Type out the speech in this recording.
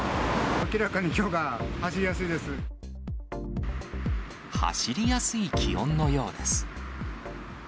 明らかにきょうが走りやすい走りやすい気温のようです。